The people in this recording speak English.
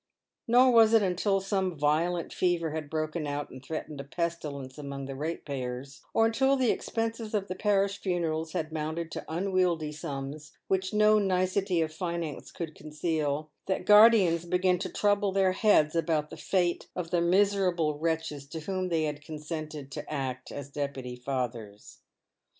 JSTor was it until some violent fever had broken out and threatened a pestilence among the ratepayers, or until the expenses of the parish funerals had amounted to unwieldy sums which no nicety of finance could conceal, that guardians began to trouble their heads about the fate of the miserable wretches to whom they had consented to act as deputy fathers.